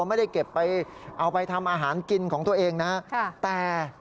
ไม่ได้เก็บไปเอาไปทำอาหารกินของตัวเองนะฮะแต่